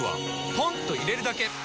ポンと入れるだけ！